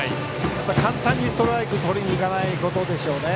簡単にストライクをとりにいかないことでしょうね。